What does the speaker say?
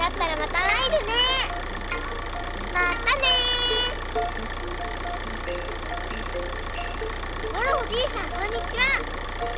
あらおじいさんこんにちは！